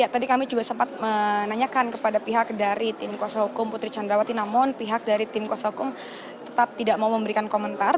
tadi kami juga sempat menanyakan kepada pihak dari tim kuasa hukum putri candrawati namun pihak dari tim kuasa hukum tetap tidak mau memberikan komentar